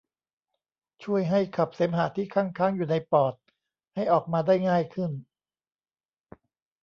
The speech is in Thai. ช่วยให้ขับเสมหะที่คั่งค้างอยู่ในปอดให้ออกมาได้ง่ายขึ้น